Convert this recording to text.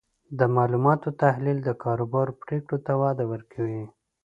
د معلوماتو تحلیل د کاروبار پریکړو ته وده ورکوي.